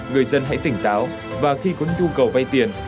người dân hãy tỉnh táo và khi có nhu cầu vay tiền